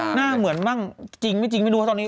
หน้าเหมือนบ้างจริงไม่จริงไม่รู้